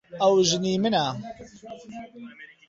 ئەو ژنی منە.